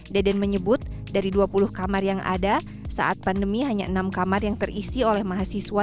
deden menyebut dari dua puluh kamar yang ada saat pandemi hanya enam kamar yang terisi oleh mahasiswa